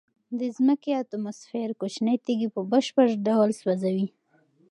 د ځمکې اتموسفیر کوچنۍ تیږې په بشپړ ډول سوځوي.